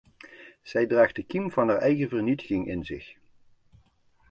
Zij draagt de kiem van haar eigen vernietiging in zich.